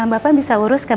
bapak bisa urus ke